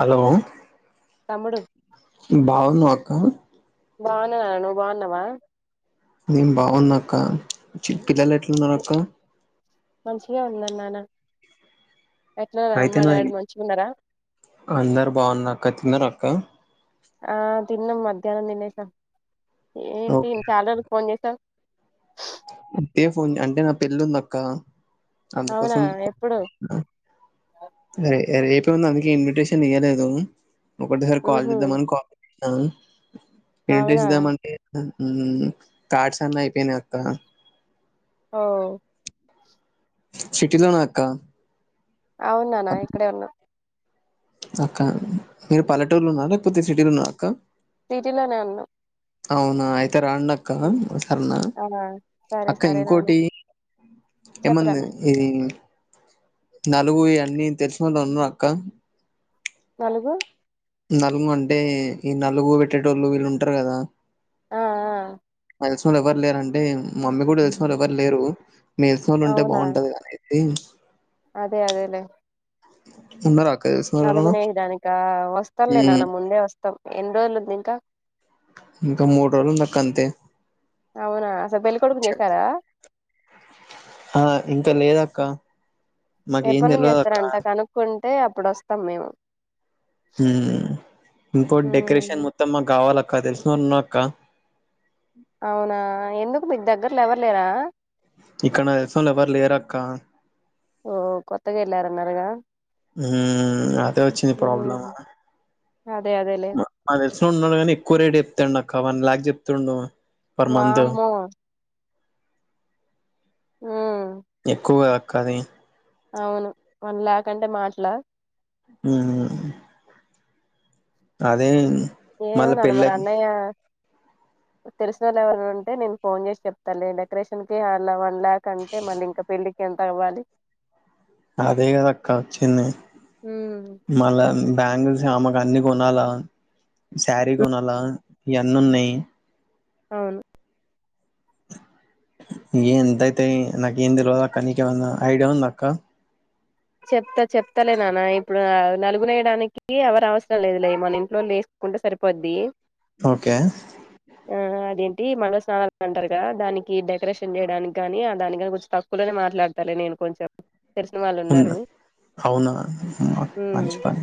Hello తమ్ముడు బాగున్నవా అక్కా బాగున్ననాన్న నువ్వు బాగున్నావా నేన్ బాగున్నా అక్కా చిట్టితల్లి ఎట్లుంది అక్క మంచిగా ఉంది ఎట్లు అమ్మ డాడ్ మంచిగున్నరా అందర్ బాగున్నరక్క తిన్నరా అక్క ఆ తిన్నాం మధ్యానం తినేశం ఏంటి ఓకే చాలా రోజులకి ఫోన్ చేసావ్ ఉత్తే ఫోన్ అంటే నా పెళ్ళుందక్క అవునా అందుకోసం ఎప్పుడు ఆ రే రేపే ఉంది అందుకే ఇన్విటేషన్ ఇయ్యలేదు ఒకటేసారి కాల్ ఉహు చేద్దామని కాల్ చేసినా అవునా ఇన్విటేషన్ ఇద్దాం అంటే ఉం కార్డ్స్ అన్నైపోయినై అక్క ఓ సిటీలనే ఉన్నరా అక్క అవున్ నాన్నా ఇక్కడే ఉన్నాం అక్క మీరు పల్లెటూర్లున్నర లేక్పోతే సిటీలున్నరా అక్క సిటీలోనే ఉన్నాం అవునా అయితే రాండక్క ఉమ్. సర్నా ఆ సరే అక్క సరే నాన్న ఇంకోటి ఏముంది చెప్పురాన్న ఇది నలుగు ఈయన్ని తెల్సినోలున్నారా అక్క నలుగు నలుగంటే ఈ నలుగు పెట్టేటోళ్ళు వీళ్ళు ఉంటరు కదా ఆ ఆ మాక్ తెల్సినోల్లెవర్ లేరంటే మమ్మిక్కుడ తెల్సినోల్లెవర్ లేరు మీక్ తెల్సినోలుంటే అవునా బాగుంటదనీ అది అదే అదేలేే ఉన్నరా అక్క తెల్సి నలుగునేయడానికా వస్తంలే నాన్న ముందే వస్తాం ఎన్ని రోజులుందింకా ఇంక మూడు రోజులుందక్క అంతే అవునా అసల్ పెళ్ళికొడుకును చేసారా ఆ ఇంక లేదక్క మాకేం తెల్వదక్క కుంటే అప్పుడు వస్తాం మేము ఇంకో మ్మ్ డెకరేషన్ మొత్తం మాకు కావాలక్క తెలిసిన ఉన్నా అక్క అవునా ఎందుకు మీకు దగ్గర్లో ఎవరు లేరా ఇక్కడ నా తెలిసినోళ్లు ఎవ్వరు లేరుక్క ఓ కొత్తగా వెళ్ళారన్నారుగా అదే వచ్చింది ప్రాబ్లమ్ మ్మ్ అదే అదేలే మా తెలిసినోడు ఉన్నాడు కానీ ఎక్కువ రేట్ చెప్తాండు అక్క వన్ లాక్ చెప్తుండ వామ్మో ఉమ్ ఎక్కువ గా అక్క అవును వన్ ల్యాక్ అంటే మాటలా ఉమ్ అదే ఏమో మళ్ళా నాన్న పెళ్ళ మరి అన్నయ్య తెలిసిన వాళ్ళు ఎవరైనా ఉంటే నేను ఫోన్ చేసి చెప్తాలే డేకరేషన్ కి అలా వన్ ల్యాక్ అంటే మళ్ళీ ఇంకా పెళ్లికి ఎంత అవ్వాలి అదే కదా అక్క వచ్చింది మ్మ్ మళ్ళా బ్యాంగిల్స్ ఆమెకు అన్ని కొనాలా శారీ కొనాలా ఎన్నున్నాయి అవును ఎంత అయితే నాకేం తేల్వదు అక్క నీకేమన్నా ఐడియా ఉందా అక్క చెప్తా చెప్తలే నాన్న ఇప్పుడు నలుగులు వేయడానికి ఎవరి అవసరం లేదు లే మన ఇంట్లో ఏసుకుంటే సరిపోద్ది ఓకే ఆ అదేంటి మంగళ స్నానాలు అంటారు కదా దానికి డెకరేషన్ చేయడానికి కాని దాని కాని కొంచెం తక్కు క్కువ లోనే మాట్లాడతాలే నేను కొంచెం తెలిసిన వాళ్ళు ఉన్నారు ఉంది అవునా ఉమ్ మంచి పని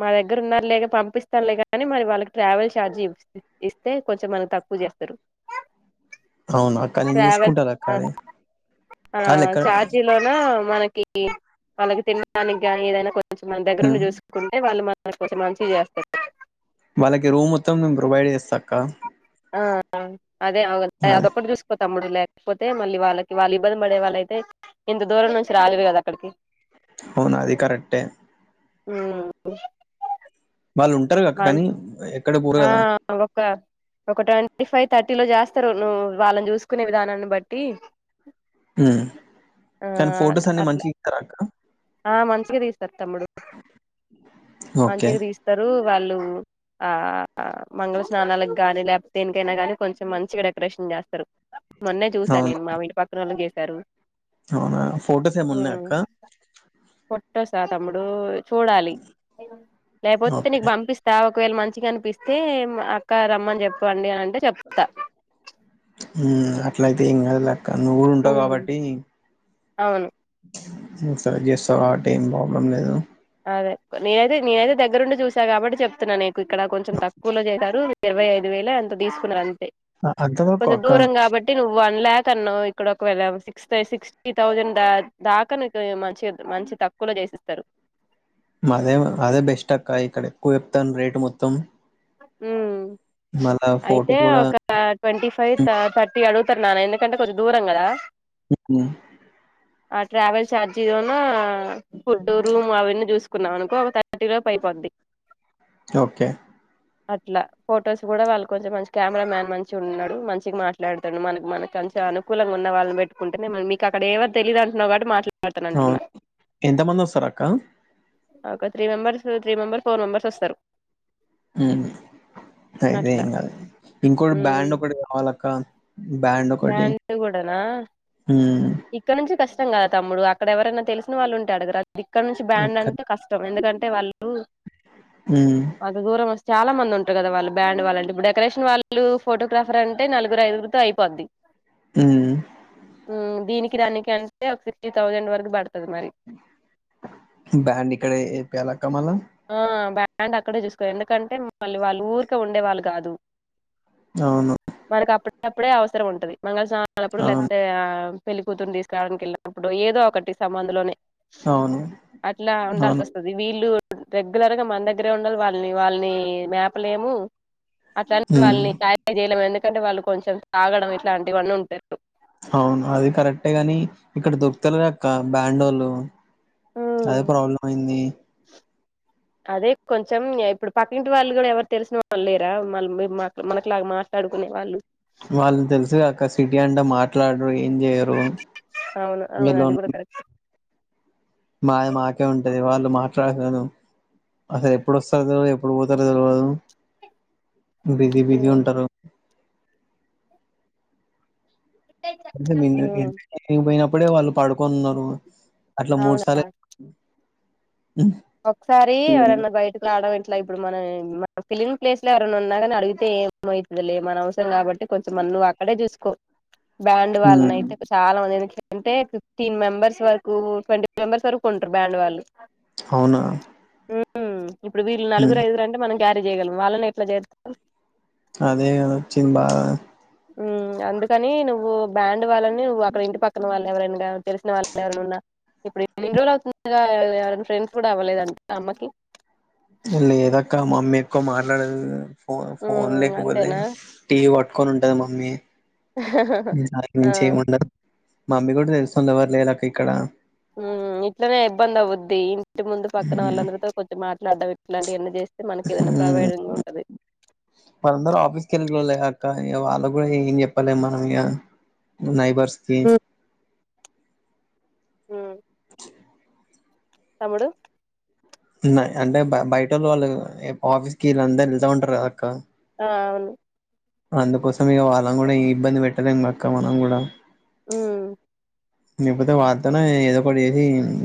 మా దగ్గర ఉన్నారు లేగా పంపిస్తారులే గానీ మరి వాళ్ళకి ట్రావెల్ ఛార్జ్ ఇ ఇస్తే కొంచెం మనకి తక్కువ చేస్తారు అవునా కానీ నేను ట్రావెల్ చూసుకుంటా లే అక్క ఆ ఆది కాని ఎక్కడ మన మనకి తినడానికిని ఏదైనా కొంచెం మన దగ్గరుండి చూసు సుకుంటే వాళ్ళు మనకి కొంచం మంచిగా చేస్తారు వాళ్ళకి రూమ్ మొత్తం మేము ప్రొవైడ్ చేస్తా అక్క ఆ అదే అవ అదే అదొక్కటి చూసుకో తమ్ముడు లేక పోతే మళ్ళీ వాళ్ళకి వాళ్ళు ఇబ్బంది పడే వాళ్ళ అయితే ఇంత దూరం నుంచి రాలేరు కదా అక్కడికి ఆవునా అది కరెక్టే ఉ వాళ్ళు ఉంటారు అక్క కానీ ఎక్కడ పోరు కదా! ఆ [unintelligible] ఒక ట్వంటీ ఫైవ్ థర్టీ లో చేస్తారు నువ్వు వాళ్ళని చూసుకునే విధానాన్ని బట్టి ఉ ఆ కానీ ఫొటోస్ అన్ని అట్లా మంచిగా తీస్తారా అక్క ఆ మంచిగా తీస్తారు తమ్ముడు ఓకే. మంచిగా తీస్తారు వాళ్ళు ఆ మంగళ స్నానాలకు గాని లేకపోతే దేనికైనా గానీ కొంచెం మంచి డెకరేషన్ చేస్తారు మొన్నే చూశాను అవును. నేను మా ఇంటి పక్కన వాళ్ళకి చేశారు అవునా ఫోటోస్ ఏమున్నాయి అక్క పోటోష్ ఆ తమ్ముడు చూడాలి లేకపోతే ఓకే. నీకు పంపిస్త ఒకవేళ మంచిగా అనిపిస్తే అక్క రమ్మని చెప్పండి అని అంటే చెప్తా ఉ అట్లయితే ఏం కాదు లెక్క నువ్వు ఉంటావు కాబట్టి అవును నువ్వు చేస్తావు కాబట్టి ఏం ప్రాబ్లం లేదు అదే నేనైతే నేన అయితే దగ్గరుండి చూసాను కాబట్టి చెప్తున్నాను నీకు ఇక్కడ కొంచెం తక్కువలో చేశారు ఇరవై ఐదు వేలే అంత తీసుకున్నారు అంతే అ అంత వరకు కొంచెం అక్క. దూరం కాబట్టి నువ్వు వన్ ల్యాక్ అన్నావు ఇక్కడ ఒక వెళ సిక్స్ సి సిక్స్టీ థౌజండ్ ద దాకా మంచి మంచి తక్కువలో చేసిస్తారు అదే అదే బెస్ట్ అక్క ఇక్కడ ఎక్కువ చెప్తాను రేటు మొత్తం ఉ మళ్ళా ఫోటో అయితే కూడా ఒక ఆ ట్వంటీ ఫైవ్ హ్మ్. థర్టీ అడుగుతారు నాన్న ఎందుకంటే కొంచెం దూరం కదా ఉ ఆ ట్రావెల్ ఛార్జీ గును ఫుడ్ రూమ్ అవన్నీ చూసుకున్నాం అనుకో థర్టీ లోపూ ఆయిపోద్ది ఓకే అట్ల ఫొటోస్ గుడా వాళ్ళు కొంచెం మంచి కెమెరా మ్యాన్ మంచిగున్నడు మంచిగ మాట్ ట్లాడ్తడు మనక్ మనక్ మంచిగ అనుకూలంగా ఉన్న వాళ్ళన్ పెట్టుకుంటేనే మరి మీక్ అక్కడ ఏవర్ తెలీద్ అంటున్నవ్ కాబట్టి మాట్ల తనంటున్న. అవును. ఎంతమందొస్తారక్క? ఒక three members three member four members వస్తరు. మ్ అయితే అట్లా ఏం కాలే ఇంకోట్ ఉమ్ బ్యాండ్ ఒకటి కావాలక్క బ్యాండ్ ఒకటి గుడనా హ్మ్ ఇక్కడ్నుంచి కష్టం గదా తమ్ముడు అక్కడ ఎవరన్న తెలిసిన వాళ్లుంటే అడగరాద్ ఇక్కడ్నుంచి బ్యాండ్ ఎక్క అంటే కష్ ష్టం ఎందుకంటే వాళ్ళు మ్ అంత దూరం వస్ చాలా మంది ఉంటర్ గదా వాళ్ళు బ్యాండ్ వాళ్ళంటే ఇప్పుడు డెకరేషన్ వాళ్లు, పోటోగ్రాఫర్ అంటే నలుగురు ఐదుర్తో అయిపోద్ది మ్ మ్ దీనికి దానికి అంటే ఒక ఫిఫ్టీ థౌజండ్ వరకు పడుతది మరి బ్యాండ్ ఇక్కడే ఏపియ్యాలక్క మళ్ళ ఆ బ్యాండ్ అక్కడే చూస్కో ఎందుకంటే మళ్ళీ వాళ్ళు ఊర్కే ఉండే వాళ్ళు గాదు. అవును మనక్ అప్పట్ కప్పుడు అవసరం ఉంటది మంగళ స్నానాలప్పుడు అవును లేకపోతే పెళ్లి కూతుర్ని తీస్కరావడానికి ఎళ్ళినప్పుడు ఏదో ఒకటి సంబంధలోనే అవును అట్లా ఉండాల్సి అవును వస్ తది వీళ్ళు రెగ్యులర్గ మన దగ్గర ఉండాల్ వాళ్ళని వాళ్ళని మేపలేము అట్ల అని ఉమ్ వాళ్ళని క్లారీఫై జేయలేము ఎందుకంటే వాళ్ళు కొంచం తాగడం ఇట్లాంటివన్నీ ఉంటరు. అవును అది కరెక్టే గని ఇక్కడ దొర్కుతలేదక్క బ్యాండోళ్ళు అదే హ్మ్. ప్రాబ్లమైంది. అదే కొంచం ఇప్పుడు పక్కింటి వాళ్ళు గుడా ఎవర్ తెలిసిన వాళ్ళు లేరా మళ్ళ మేం మా మనక్ లాగా మాట్లాడుకునే వాళ్ళు వాళ్ళు తెల్సుగా అక్క సిటీ అంటే మాట్లాడరు ఏం జేయరు. అవును అవును అది గుడ కరెక్టే మాది మాకే ఉంటది వాళ్ళు మాట్లాడరు. అసల్ ఎప్పుడ్ వస్తరో తెల్వది ఎప్పుడు పోతరో తెల్వదు బిజీ బిజీ ఉమ్, ఉంటరు. కనీసం ఇంటి ఉమ్, ఇంటికెళ్ళి పోయినప్పుడే వాళ్ళు పడుకోన్ ఉన్నరు అట్లా మూడు అవును సార్ల అ ఒక్సారీ ఎవరన్న బైటు ట్లాడం ఇట్ల ఇప్పుడు మన మనం ఫిలిమ్ ప్లేస్ల ఎవరన్న ఉన్నారా అన్ అడుగుతే ఏమైతదిలే మన అవసరం కాబట్టి కొంచం మన్ నువ్ అక్కడే జూస్కో బ్యాండ్ ఉమ్ వాళ్ళనైతే చాలా మంది ఎందుకంటే ఫిఫ్టీన్ మెంబర్స్ వరకు ట్వంటీ మెంబర్స్ వరకు ఉంటరు బ్యాండ్ వాళ్ళు అవునా ఉమ్, ఇప్పుడు వీళ్ హ్మ్. నలుగురు, ఐదుగురు అంటే మనం క్యారీ చేయగలము వాళ్ళని ఎట్ల చేస్తాం. అదే గదా వచ్చిన్ బాధ అందుకనీ నువ్వు బ్యాండ్ వాళ్ళని నువ్వు అక్కడ ఇంటి పక్కన వాళ్ళన్ ఎవరైనగా తెలిసిన వాళ్ ఎవరైన ఉన్నా ఇప్పుడు ఇన్ని రోజుల్ అవుతుందిగా ఎవరన్న ఫ్రెండ్స్ గుడా అవ్వలేదడి అమ్మకి లేదక్క మమ్మీ ఎక్కో మాట్లాడదు ఫో ఫోన్ ఉమ్ లేకపోతే అంతేనా టీవీ పట్టుకొన్ ఉంటది మమ్మీ దానికి ఆ మించి ఏం ఉండదు. మమ్మీక్ గుడ తెలిసినోళ్ళు ఎవర్ లేలక్క ఇక్కడా మ్ ఇట్లనే ఇబ్బందవ్వుద్ది ఇంటి ముందు పక్కన హ్మ్. వాళ్ళందర్తో కొంచం మాట్లాడం ఇట్లాంటి వన్నీ చేస్ మనకి ఏదైనా ప్రొవైడ్ంగ్ ఉంటది మల్ల అందరూ ఆఫీస్కి వెళ్ళలే అక్క ఇక వాళ్ళు కూడా ఏం చెప్పాలేంమనం ఇక నైబర్స్కి తమ్ముడు అంటే బ బయట వాళ్ళు ఆఫీస్కి వీళ్ళందరూ వెళ్తా ఉంటారు కద అక్క ఆ అవును అందుకోసం ఇక వాళ్ళం కూడా ఏం ఇబ్బంది పెట్టలేం అక్క మనం కూడా మ్ ఇ పోతే వార్తను ఏదో ఒకటి చేసి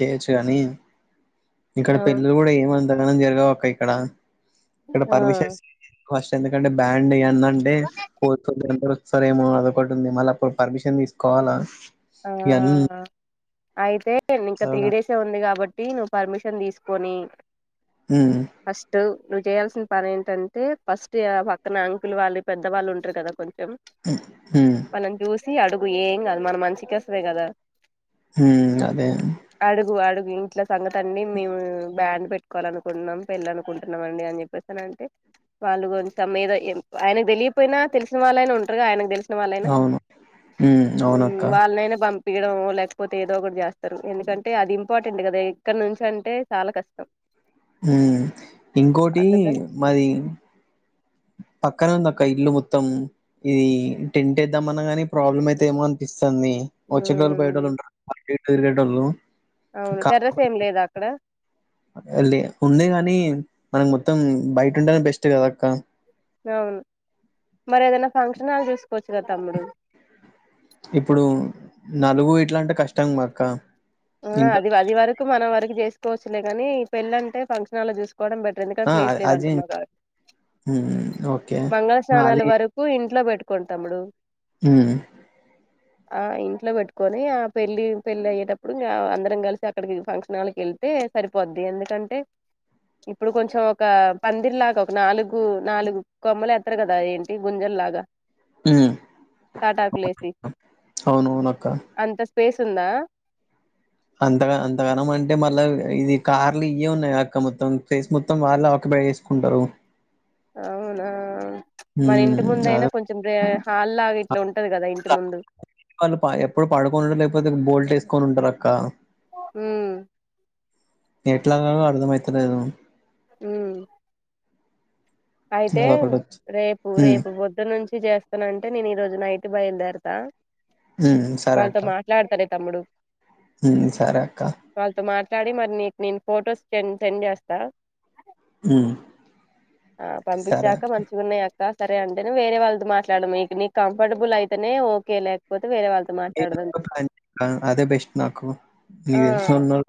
చేయొచ్చు కాని ఇక్కడ అవును పెళ్ళిలు కూడా ఏమంతగాన జరగావు అక్క ఇక్కడ ఇక్కడ ఆ పర్మిషన్స్ ఫస్ట్ ఎందుకంటే బ్యాండ్ యెయ్యండంటే పోతుంది సరేమో అదొకటి ఉంది మళ్ళీ అప్పుడు పర్మిషన్ తీసుకోవాలా ఆ ఇవన్నీ అయితే ఇంకా త్రీ చదవగా డేస్ సే ఉంది కాబట్టి నువ్వు పర్మిషన్ తీసుకొని మ్ ఫస్ట్ నువ్వు చేయాల్సిన పని ఏంటంటే ఫస్ట్ పక్కన అంకులు వాళ్ళు పెద్దవాళ్ళు ఉంటారు కదా కొంచెం హ్మ్ తనని చూసి అడుగు ఏం కాదు మన మంచికోసమే కదా హ్మ్ అదే అడుగు అడుగు ఇంట్లా సంగతి అండి మేము బ్యాండ్ పెట్టు కోవాలనుకుంటున్నాం పెళ్ళి అనుకుంటున్నాం అండి అని చెప్పేసానంటే వాళ్ళు కొంచెం ఏదో ఆయనకు తెలియపోయినా తెలిసిన వాళ్ళైనా ఉంటారుగా ఆయనకు తెలిసు సిన వాళ్ళైనా అవును ఉమ్, అవునక్క ఎవర్నైనా పంపియడం లేకపోతే ఏదో ఒకటి చేస్తారు ఎందుకంటే అది ఇంపార్టెంట్ కదా ఇక్కడ నుంచి అంటే చాలా కష్టం హ్మ్ ఇంకోటి అందుకని మరి పక్కన ఉందక్క ఇల్లు మొత్తం ఇ టెంట్ ఏద్దామన్నా గాని ప్రాబ్లమ్ అయితఏమో అనిపిస్తుంది వచ్చేటోళ్ళు పొయ్యేటోళ్ళు ఉంటరు అటు ఇటు తిరిగెటోళ్ళు అవును టెర్రస్ ఏమి లేదా అక్కడ లే ఉన్నయ్ గాని మనకు మొత్తం బయట ఉంటేనే బెస్ట్ కద అక్క అవును మరేదన్నా ఫంక్షన్ హాల్ తీసుకోవచ్చు కదా తమ్ముడు ఇప్పుడు నలుగు ఇట్లంటే కష్టమక్క ఆ అది అది వరకు మనం వరకు చేసుకోవచ్చులే కాని పెళ్ళంటే ఫంక్షన్ హాల్ లో చేసుకోవడం బెటర్ ఎందుకు ఆ ప్లేస్ లేదు అది అంటున్నావ్ కాబట్టి హ్మ్ ఓకే మంగళ ఆ స్నానాల అది వరకు ఇంట్లో పెట్టుకోండి తమ్ముడు మ్ ఆ ఇంట్లో పెట్టుకొని ఆ పెళ్లి పెళ్లయ్యేటప్పుడు ఇప్పుడు ఇంక అందరం కలిసి అక్కడికి ఫంక్షన్ హాల్కి వెళ్తే సరిపోద్ది ఎందుకంటే ఇప్పుడు కొంచెం ఒక పందిరి లాగా ఒక నాలుగు నాలుగు కొమ్మలు ఎత్తరు కదా అదేంటి ఈ గుంజల్ లాగ హ్మ్ టాటాకులేసి అవునవునక్క అంత స్పేస్ ఉందా అంతగా అంతగానం అంటే మళ్ళా ఇది కార్లు ఇయే ఉన్నాయి అక్క మొత్తం ప్లేస్ మొత్తం వాళ్ళు ఆక్యుపై చే కుంటరు అవునా మన హ్మ్ ఇంటి ముందు అయినా అదే కొంచెం హాల్లాగా ఇట్లా ఉంటది కదా ఇంటి ముందు. అళ్ళు పాయే ఎప్పుడు పడుకోన్ [unintelligible] లేకపోతే బోల్టేసుకొని ఉంటరక్క. ఉ. ఎట్లాగాగొ అర్థమైతాలేను. ఉ. అయితే అదొకటి వచ్చి రేపు హ్మ్ రేపు పొద్దున్నుంచ్. ఇజ చేస్తానంటే నేను ఈ రోజు నైటు బయలుదేరతా హ్మ్ వాళ్ళతో మాట్. యర్తాడే తమ్ముడు. ఉ సరే అక్క. వాళ్తో మాట్లాడి మరి నీక్ నేను ఫొటోస్ సెండ్ సెండ్ చేస్తా. ఉ. ఆ పంపిచ్చాక మంచిగున్నయక్. క సరే అంటేనే వేరే వాళ్తో మాట్లాడము మీక్ నీక్ కంఫర్టబుల్ అయితేనే ఓకే లేకపోతేే వేరే వాళ్. నీక్ [unintelligible] అయిందక్క అదే బెస్ట్ నాకు ఆ నీక్ తెలిసినొళ్.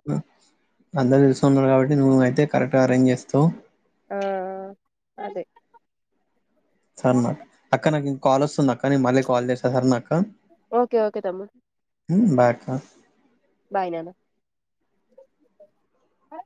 అందరికి తెలిసినొళ్ళు కాబట్టి నువ్వైతే కరెక్ట్గా అరేంజ్ చేస్తావ్. ఆ అదే. సన్న అక్క నాకి కాల్ వస్తుందక్క నేను మళ్ళీ కాల్ చేస్తా సారే నా అక్క. ఓకే ఓకే తమ్ముడ్. ఉ బాయ్ అక్క. బాయ్ నాన్న. ఆ.